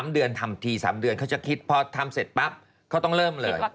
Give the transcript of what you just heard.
๓เดือนทำที๓เดือนเขาจะคิดพอทำเสร็จปั๊บเขาต้องเริ่มเลย